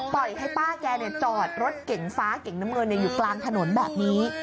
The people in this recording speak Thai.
ปล่อยให้ป้าแกจอดรถเก่งฟ้าเก่งน้ำเงินอยู่กลางถนนแบบนี้